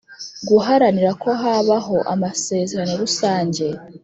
Guharanira ko habaho amasezerano rusange